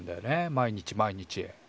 毎日毎日。